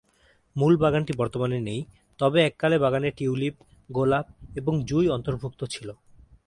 মূল বাগানটি বর্তমানে নেই, তবে এককালে বাগানে টিউলিপ, গোলাপ এবং জুঁই অন্তর্ভুক্ত ছিল।